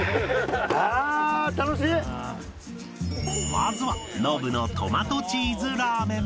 まずはノブのトマトチーズラーメン